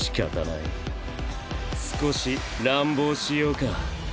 少し乱暴しようか。